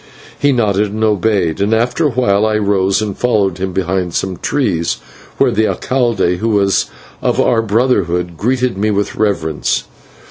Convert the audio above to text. He nodded and obeyed, and after a while I rose and followed him behind some trees, where the /alcalde/, who was of our brotherhood, greeted me with reverence.